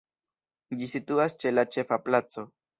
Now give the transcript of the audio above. Ĝi situas ĉe la Ĉefa Placo.